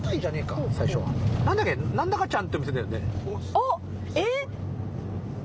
あっ！えっ！？。